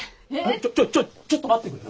ちょちょちょちょっと待ってくれよ。